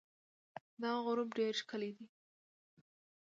دا غروب ډېر ښکلی دی.